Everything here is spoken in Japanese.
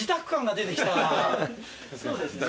そうですね